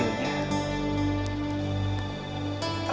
aku ingin melihat wajahmu yang tersenyum itu